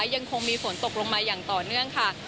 ยังคงมีฝนตกลงมาอย่างต่อเนื่องค่ะ